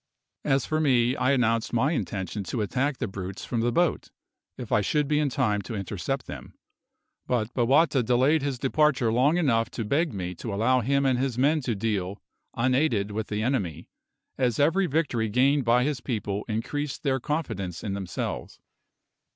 As for me, I announced my intention to attack the brutes from the boat, if I should be in time to intercept them; but Bowata delayed his departure long enough to beg me to allow him and his men to deal, unaided, with the enemy, as every victory gained by his people increased their confidence in themselves.